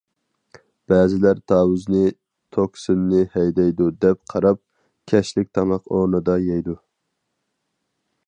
بەزىلەر تاۋۇزنى توكسىننى ھەيدەيدۇ، دەپ قاراپ، كەچلىك تاماق ئورنىدا يەيدۇ.